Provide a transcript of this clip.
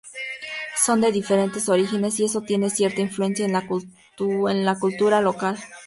Son de diferentes orígenes y eso tiene cierta influencia en la cultura local.